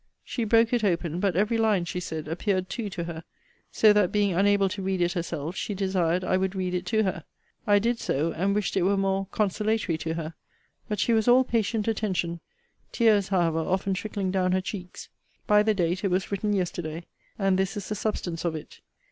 She broke it open; but every line, she said, appeared two to her: so that, being unable to read it herself, she desired I would read it to her. I did so; and wished it were more consolatory to her: but she was all patient attention: tears, however, often trickling down her cheeks. By the date, it was written yesterday; and this is the substance of it.